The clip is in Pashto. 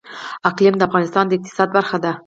اقلیم د افغانستان د اقتصاد برخه ده.